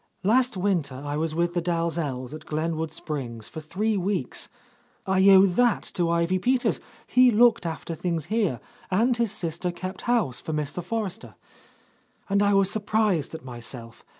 Last winter I was with the Dalzells at Glenwood Springs for three weeks (I owe that to Ivy Peters ; he looked after things here, and his sister kept house for Mr. Forrester) , and I was surprised at myself.